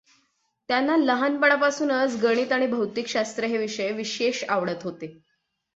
त्याना लहानपणापासुनच गणित आणि भौतिकशास्त्र हे विषय विशेष आवडत होते.